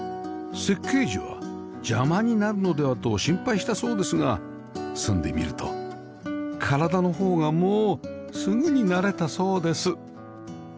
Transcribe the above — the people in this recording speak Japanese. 設計時は「邪魔になるのでは」と心配したそうですが住んでみると体のほうがもうすぐに慣れたそうです